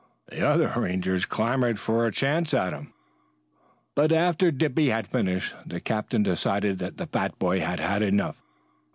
The other Rangers clamored for a chance at him, but after Dippy had finished the captain decided that the fat boy had had enough.